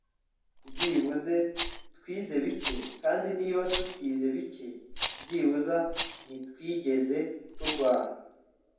byibuze twize bike, kandi niba tutize bike, byibuze ntitwigeze turwara